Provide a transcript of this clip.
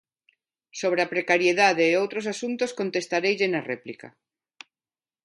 Sobre a precariedade e outros asuntos contestareille na réplica.